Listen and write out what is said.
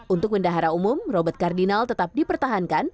untuk bendahara umum robert kardinal tetap dipertahankan